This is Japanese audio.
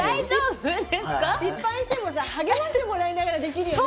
失敗してもさ励ましてもらいながらできるよね